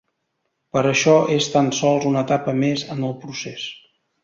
Però això és tan sols una etapa més en el procés.